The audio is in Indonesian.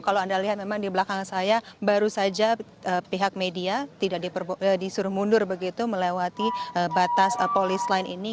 kalau anda lihat memang di belakang saya baru saja pihak media tidak disuruh mundur begitu melewati batas polis lain ini